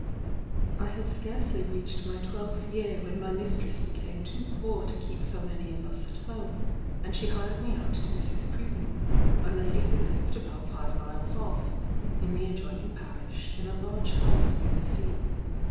I had scarcely reached my twelfth year when my mistress became too poor to keep so many of us at home; and she hired me out to Mrs. Pruden, a lady who lived about five miles off, in the adjoining parish, in a large house near the sea.